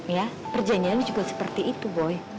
ya perjalanan lu juga seperti itu boy